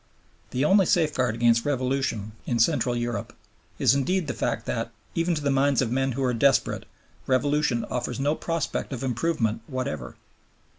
The only safeguard against Revolution in Central Europe is indeed the fact that, even to the minds of men who are desperate, Revolution offers no prospect of improvement whatever.